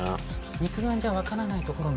肉眼じゃ分からないところが。